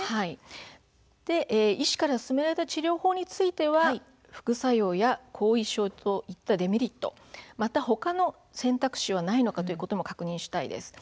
医師から勧められた治療法については副作用や後遺症といったデメリット他の選択肢がないのかということも確認したいです。